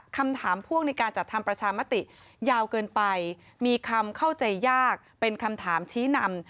พ่วงในการจัดทำประชามติยาวเกินไปมีคำเข้าใจยากเป็นคำถามชี้นำ